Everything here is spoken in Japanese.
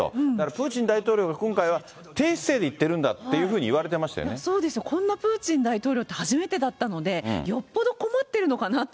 プーチン大統領が今回は低姿勢でいってるんだというふうに言われそうですよ、こんなプーチン大統領って初めてだったので、よっぽど困ってるのかなと。